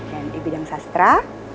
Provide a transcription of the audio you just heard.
dan di bidang sastra